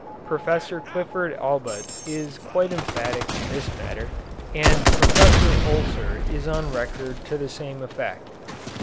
Professor Clifford Allbutt is quite emphatic in this matter and Professor Osler is on record to the same effect.